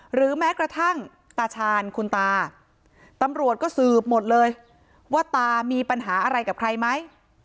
หรือแม้กระทั่งตาชาญคุณตาตำรวจก็สืบหมดเลยว่าตามีปัญหาอะไรกับใครไหม